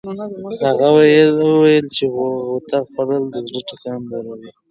هغه وویل چې غوطه خوړل د زړه ټکان لوړوي.